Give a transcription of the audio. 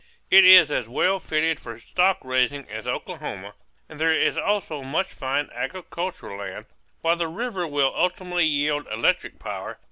It is as well fitted for stock raising as Oklahoma; and there is also much fine agricultural land, while the river will ultimately yield electric power.